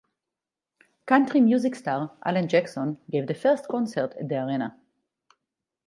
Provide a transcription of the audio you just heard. Country music star Alan Jackson gave the first concert at the arena.